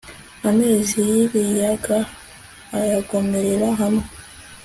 amazi y'ibiyaga ayagomerera hamwe